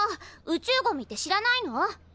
宇宙ゴミって知らないの？